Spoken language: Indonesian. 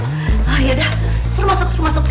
oh iya dah suruh masuk suruh masuk